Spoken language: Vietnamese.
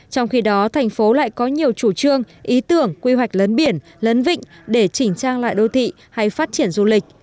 trong khi đó thành phố lại có nhiều chủ trương ý tưởng quy hoạch lấn biển lấn vịnh để chỉnh trang lại đô thị hay phát triển du lịch